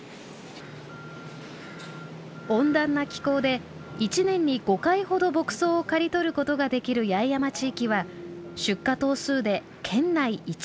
温暖な気候で一年に５回ほど牧草を刈り取ることができる八重山地域は出荷頭数で県内一。